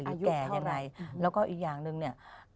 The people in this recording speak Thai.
หรือแก่ยังไงแล้วก็อีกอย่างนึงเนี่ย